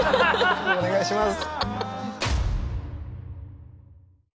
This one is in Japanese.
お願いします。